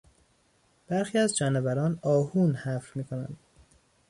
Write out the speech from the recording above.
برخی از جانوران آهون حفر میکنند.